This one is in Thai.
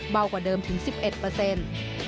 เบากว่าเดิมถึง๑๑